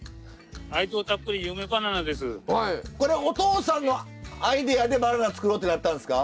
これおとうさんのアイデアでバナナ作ろうってなったんですか？